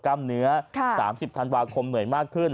กล้ามเนื้อ๓๐ธันวาคมเหนื่อยมากขึ้น